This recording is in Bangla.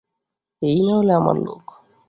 এই না হলে আমার লোক।